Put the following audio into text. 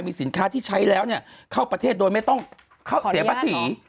มีสินค้าที่ใช้แล้วเข้าประเทศโดยไม่ต้องเสียภาษี